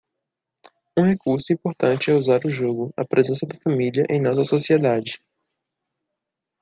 Um recurso importante é usar o jogo, a presença da família em nossa sociedade.